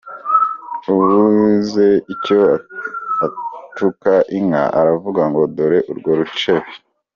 Ubuze icyo atuka inka, aravuga ngo dore urwo rucebe.